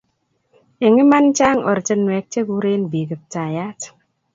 Eng' iman chang' ortinwek che kuren biik Kiptayat